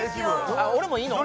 あっ俺もいいの？